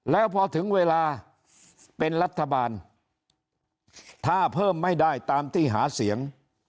แล้วพอถึงเวลาเป็นรัฐบาลถ้าเพิ่มไม่ได้ตามที่หาเสียง